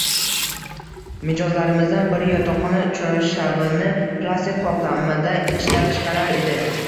Mijozlarimizdan biri yotoqxona choyshabini plastik qoplamada ishlab chiqarar edi.